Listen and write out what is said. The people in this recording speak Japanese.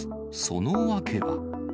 その訳は。